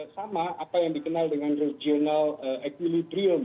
sama apa yang dikenal dengan regional equilibrium